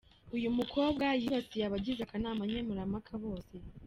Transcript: Uyu mukobwa yibasiye abagize akanama nkemurampaka bose.